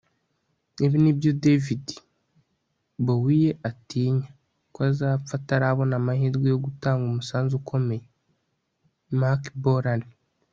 ibi nibyo david bowie atinya: ko azapfa atarabona amahirwe yo gutanga umusanzu ukomeye. - marc bolan